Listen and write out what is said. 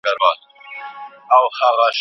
يو كيسه مي اورېدلې ده يارانو